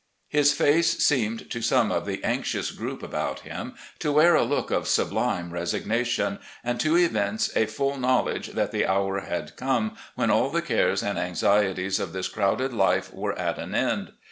His face seemed to some of the anxious group about him to wear a look of sublime resignation, and to evince a full knowledge that the hour had come when all the cares and anxieties of his crowded life were at an end.